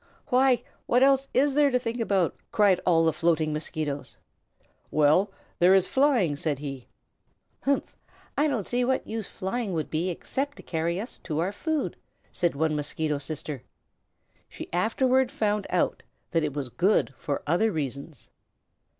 "Why, what else is there to think about?" cried all the floating Mosquitoes. "Well, there is flying," said he. "Humph! I don't see what use flying would be except to carry us to our food," said one Mosquito Sister. She afterward found out that it was good for other reasons.